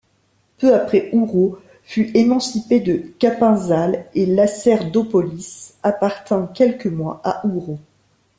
Peu après Ouro fut émancipée de Capinzal et Lacerdópolis appartint quelques mois à Ouro.